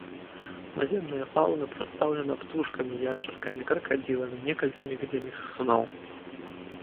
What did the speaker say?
Наземная фаўна прадстаўлена птушкамі, яшчаркамі, кракадзіламі, некалькімі відамі сысуноў.